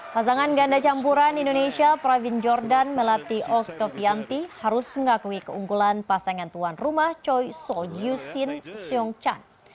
pasangan ganda campuran indonesia pravin jordan melatih oktobianti harus mengakui keunggulan pasangan tuan rumah choi soe yoo shin seong chan